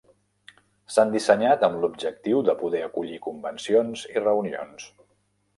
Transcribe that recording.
S'han dissenyat amb l'objectiu de poder acollir convencions i reunions.